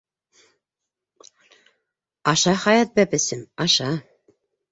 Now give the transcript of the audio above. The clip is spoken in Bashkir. — Аша, Хаят бәпесем, аша.